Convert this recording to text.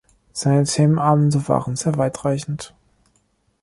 Seine Themenabende waren sehr weitreichend.